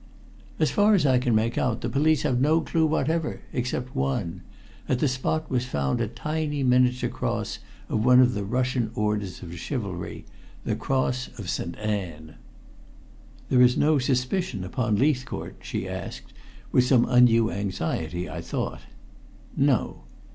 "As far as I can make out, the police have no clue whatever, except one. At the spot was found a tiny miniature cross of one of the Russian orders of chivalry the Cross of Saint Anne." "There is no suspicion upon Leithcourt?" she asked with some undue anxiety I thought. "No."